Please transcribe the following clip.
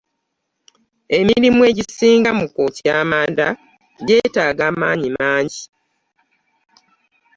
Emirimu egisinga mu kwokya amanda gyetaaga amaanyi mangi.